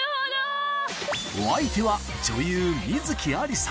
お相手は女優、観月ありさ。